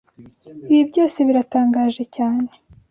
Ibi byose biratangaje cyane.